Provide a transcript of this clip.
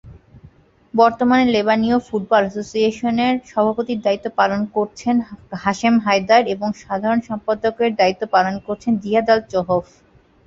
বর্তমানে লেবানীয় ফুটবল অ্যাসোসিয়েশনের সভাপতির দায়িত্ব পালন করছেন হাশেম হায়দার এবং সাধারণ সম্পাদকের দায়িত্ব পালন করছেন জিহাদ আল চহোফ।